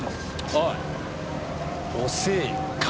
おい遅えよ